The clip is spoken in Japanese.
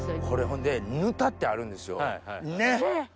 これほんで「ぬた」ってあるんですよねっ！